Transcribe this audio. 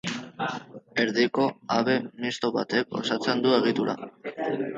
Erdiko habe misto batek osatzen du egitura.